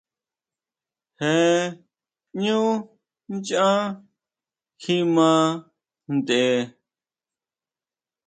Je ʼñú nchán kjima tʼen.